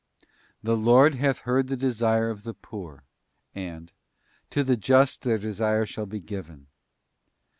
'The Lord hath heard the desire of the poor;'f and 'to the just their desire shall be given.